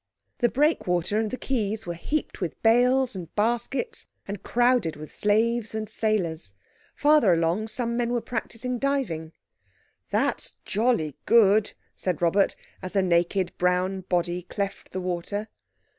The breakwater and the quays were heaped with bales and baskets, and crowded with slaves and sailors. Farther along some men were practising diving. "That's jolly good," said Robert, as a naked brown body cleft the water.